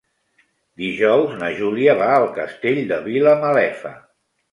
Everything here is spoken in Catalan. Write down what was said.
Dijous na Júlia va al Castell de Vilamalefa.